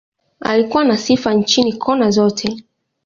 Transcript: Alikuwa na sifa nchini, kona zote.